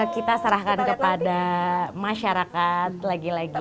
kita serahkan kepada masyarakat lagi lagi